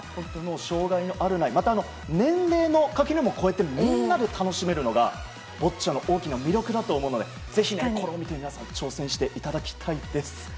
障害のあるないまた、年齢の垣根も越えてみんなで楽しめるのがボッチャの大きな魅力だと思うのでぜひこれを見て皆さんも挑戦していただきたいです。